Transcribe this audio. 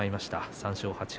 ３勝８敗。